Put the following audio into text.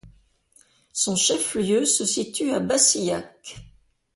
Son chef-lieu se situe à Bassillac.